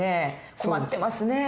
困ってますね。